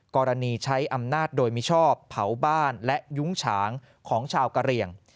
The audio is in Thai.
กรณีใช้อำนาจโดยมิชอบเผาบ้านและยุ้งฉางของชาวกะเหลี่ยง